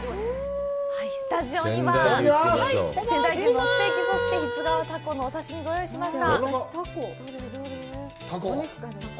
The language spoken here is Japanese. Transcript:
スタジオには仙台牛のステーキ、そして志津川タコのお刺身をご用意しました。